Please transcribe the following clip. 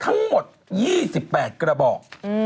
ทั้งหมด๒๘กระบอก